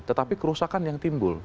tetapi kerusakan yang timbul